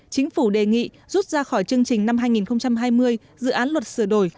chính phủ đề nghị rút ra khỏi chương trình năm hai nghìn hai mươi dự án luật sửa đổi